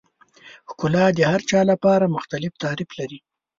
ښکلا د هر چا لپاره مختلف تعریف لري.